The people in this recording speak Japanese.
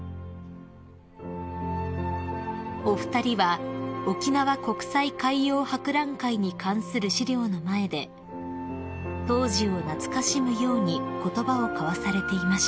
［お二人は沖縄国際海洋博覧会に関する資料の前で当時を懐かしむように言葉を交わされていました］